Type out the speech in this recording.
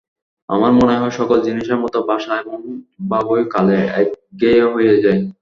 আমার মনে হয়, সকল জিনিষের মত ভাষা এবং ভাবও কালে একঘেয়ে হয়ে যায়।